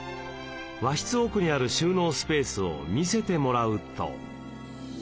和室奥にある収納スペースを見せてもらうと。